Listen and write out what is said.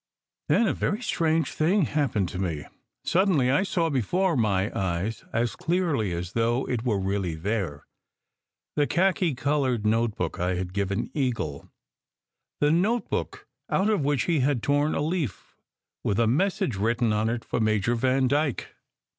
Then a very strange thing happened to me: suddenly I saw before my eyes, as clearly as though it were really there, the khaki coloured notebook I had given Eagle the notebook out of which he had torn a leaf with a message written on it for Major Vandyke.